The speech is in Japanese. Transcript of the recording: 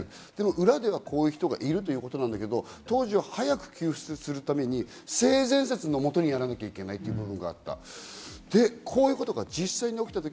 裏ではこういう人がいるということだけど当時は早く給付するために性善説のもとにやらなきゃいけない部分があった。